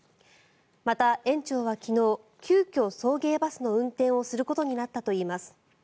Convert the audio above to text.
また、園長は昨日急きょ、送迎バスの運転をすることになったといいます。